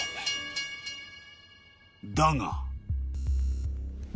［だが］